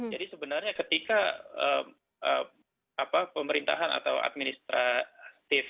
jadi sebenarnya ketika pemerintahan atau administratif